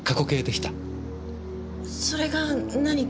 それが何か？